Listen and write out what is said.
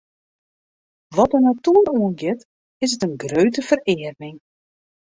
Wat de natoer oangiet, is it in grutte ferearming.